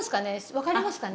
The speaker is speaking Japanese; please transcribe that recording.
わかりますかね？